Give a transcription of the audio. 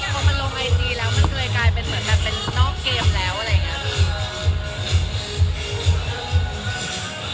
พอมันลงไอจีแล้วมันเคยกลายเป็นเหมือนแบบเป็นนอกเกมแล้วอะไรอย่างนี้